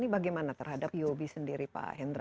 ini bagaimana terhadap yobi sendiri pak hendra